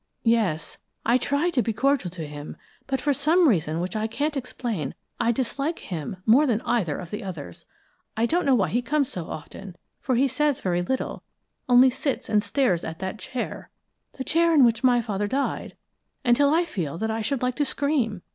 "Yes. I try to be cordial to him, but for some reason which I can't explain I dislike him more than either of the others. I don't know why he comes so often, for he says very little, only sits and stares at that chair the chair in which my father died until I feel that I should like to scream.